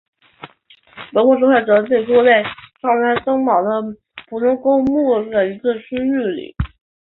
德国受害者起初被葬在登堡的普通公墓的一个区域内。